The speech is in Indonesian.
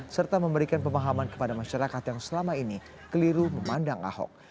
serta memberikan pemahaman kepada masyarakat yang selama ini keliru memandang ahok